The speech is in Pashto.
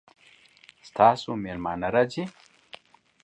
ستاسو میلمانه راځي؟